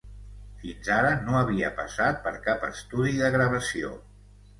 fins ara no havia passat per cap estudi de gravació